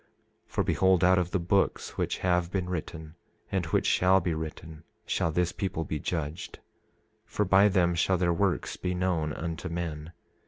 27:25 For behold, out of the books which have been written, and which shall be written, shall this people be judged, for by them shall their works be known unto men.